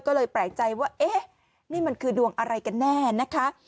ก็เลยแปลกใจว่าเอ๊ะนี่มันคือดวงอะไรกันแน่นะคะ